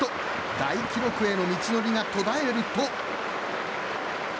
大記録への道のりが途絶えると。